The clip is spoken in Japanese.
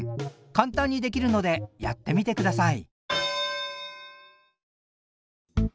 簡単にできるのでやってみてください！